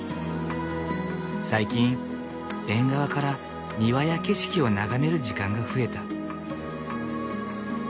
最近縁側から庭や景色を眺める時間が増えた。